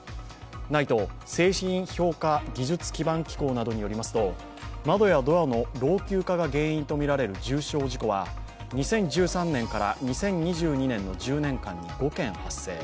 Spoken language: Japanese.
ＮＩＴＥ＝製品評価技術基盤機構などによりますと、窓やドアの老朽化が原因とみられる重傷事故は２０１３年から２０２２年の１０年間に５件発生。